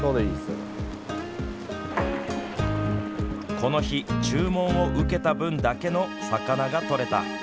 この日、注文を受けた分だけの魚が取れた。